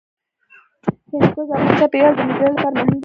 هندوکش د افغانستان د چاپیریال د مدیریت لپاره مهم دي.